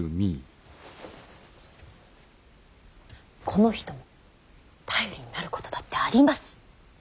この人も頼りになることだってあります。